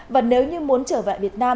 và nếu như muốn trở về việt nam